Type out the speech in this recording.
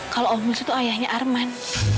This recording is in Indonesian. kalau om wisnu tuh ayahnya arman